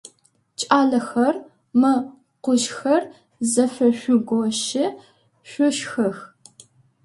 Кӏалэхэр, мы къужъхэр зэфэжъугощи, шъушхых!